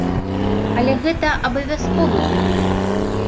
Але гэта абавязковы перыяд.